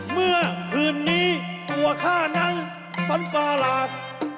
เมื่อคืนนี้ตัวข้านั้นฝันปลาหลาก